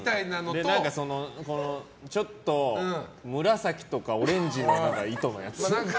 で、ちょっと紫とかオレンジの糸のやつ。